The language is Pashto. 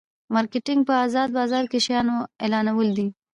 مارکیټینګ په ازاد بازار کې د شیانو اعلانول دي.